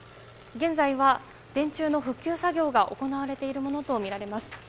現在は電柱の復旧作業が行われているものとみられます。